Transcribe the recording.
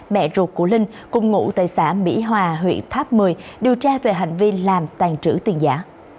mẹ ruột của linh cùng ngũ tại xã mỹ hòa huyện tháp mười điều tra về hành vi làm tàn trữ tiền giả